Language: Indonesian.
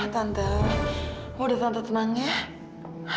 tante mau udah tante tenang ya